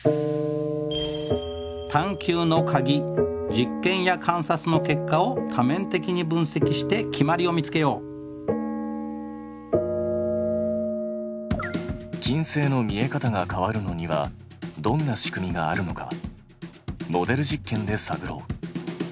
実験や観察の結果を多面的に分析して決まりを見つけよう金星の見え方が変わるのにはどんな仕組みがあるのかモデル実験で探ろう。